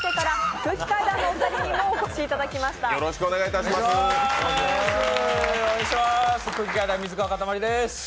空気階段水川かたまりです。